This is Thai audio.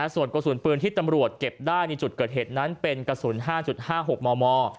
ส่วนกระสุนปืนที่ตำรวจเก็บได้ในจุดเกิดเหตุนั้นเป็นกระสุน๕๕๖มม